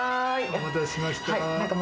お待たせしました。